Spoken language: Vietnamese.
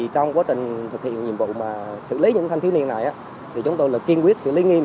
trong quá trình thực hiện nhiệm vụ mà xử lý những thanh thiếu niên này thì chúng tôi kiên quyết xử lý nghiêm